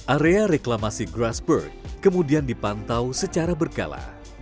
area reklamasi grass bird kemudian dipantau secara berkala